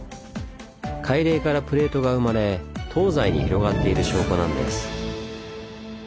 海嶺からプレートが生まれ東西に広がっている証拠なんです。